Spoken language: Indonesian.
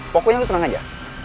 pokoknya lo tenang aja